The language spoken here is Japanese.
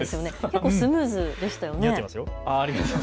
結構、スムーズでしたよね。